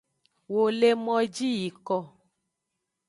Wo le moji yiko.